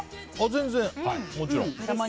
全然、もちろん。